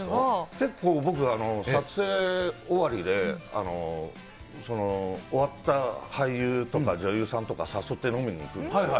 結構、僕、撮影終わりで、終わった俳優とか女優さんとか誘って飲みに行くんですけど、